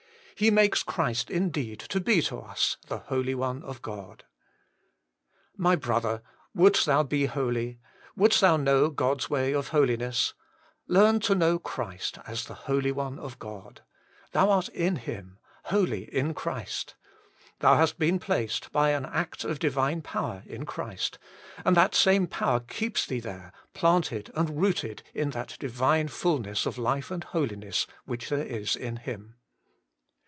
He makes Christ indeed to be to us the Holy One of God. My Brother ! wouldst thou be holy, wouldst thou know God's way of holiness learn to know Christ I 130 HOLY IN CHKIST. as the Holy One of God. Thou art in Him, ' holy in Christ.' Thou hast been placed, by an act of Divine Power, in Christ, and that same Power keeps thee there, planted and rooted in that Divine fulness of life and holiness which there is in Him.